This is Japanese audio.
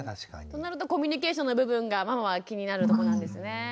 となるとコミュニケーションの部分がママは気になるとこなんですね。